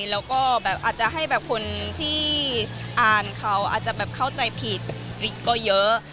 แล้วก็แบบอาจจะให้แบบคนที่อ่านเขาอาจจะแบบเข้าใจผิดก็เยอะ